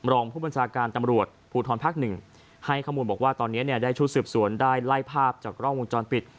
รองผู้บัญชาการตำรวจภูทรภาคหนึ่งให้ข้อมูลบอกว่าตอนนี้เนี่ยได้ชุดสืบสวนได้ไล่ภาพจากกล้องวงจรปิด